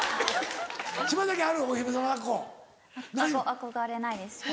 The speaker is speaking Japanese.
憧れないです。